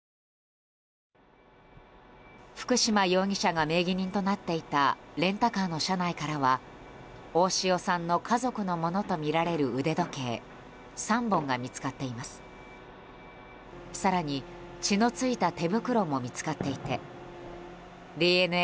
福島容疑者が名義人となっていたレンタカーの車内からは大塩さんの家族のものとみられる腕時計３本が見つかっています。